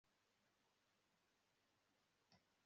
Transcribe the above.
kuva mu gitondo ndakwitegura